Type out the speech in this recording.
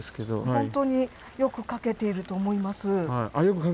本当によく描けてると思います。